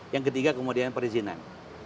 yang ketiga kemudian perizinan